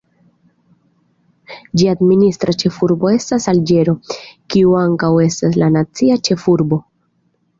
Ĝia administra ĉefurbo estas Alĝero, kiu ankaŭ estas la nacia ĉefurbo.